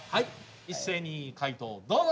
一斉に解答どうぞ！